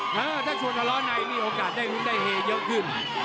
ถ้าชวนทะเลาะในมีโอกาสได้ลุ้นได้เฮเยอะขึ้น